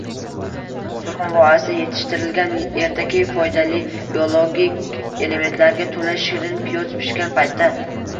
Surxon vohasida yetishtirilgan ertaki, foydali biologik elementlarga to‘la shirin piyoz pishgan paytda